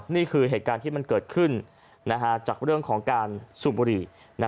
นี่คือเหตุการณ์ที่มันเกิดขึ้นจากเรื่องของการสูบบุหรี่